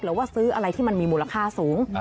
หรือว่าซื้ออะไรที่มันมีมูลค่าสูง